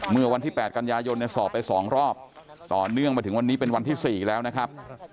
เมื่อวันที่๘กันยายนสอบไป๒รอบต่อเนื่องมาถึงวันนี้เป็นวันที่๔แล้วนะครับ